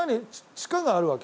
地下があるわけ？